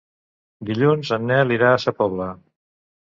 Dilluns en Nel irà a Sa Pobla.